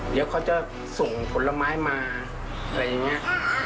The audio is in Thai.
เดี๋ยวเขาจะส่งผลไม้มาอะไรอย่างนี้